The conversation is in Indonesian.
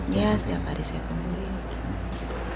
ya setiap hari saya kuliah